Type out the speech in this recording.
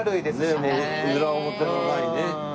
ねえ裏表のないね。